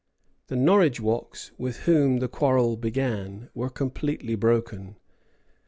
The Norridgewocks, with whom the quarrel began, were completely broken.